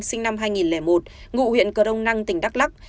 sinh năm hai nghìn một ngụ huyện cờ rông năng tỉnh đắk lắc